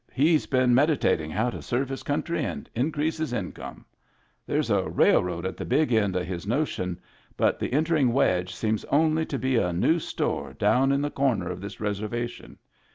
He's been medi tating how to serve his country and increase his income. There's a railroad at the big end of his notion, but the entering wedge seems only to be a new store down in the comer of this reserva tion.